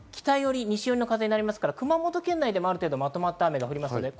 今後は北より西よりの風になりますから、熊本県内ではある程度まとまった雨が降りそうです。